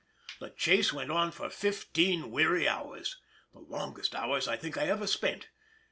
The chase went on for fifteen weary hours—the longest hours I think I ever spent!